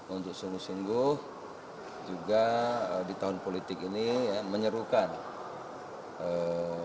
untuk sungguh sungguh juga di tahun politik ini menyerukan pemilu yang damai